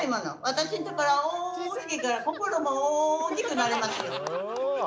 私の所は大きいから心も大きくなりますよ。